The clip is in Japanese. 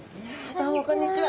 どうもこんにちは。